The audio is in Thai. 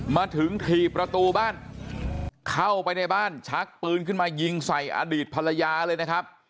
มาถึงถีบประตูบ้านเข้าไปในบ้านชักปืนขึ้นมายิงใส่อดีตภรรยาเลยนะครับ